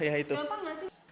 gampang gak sih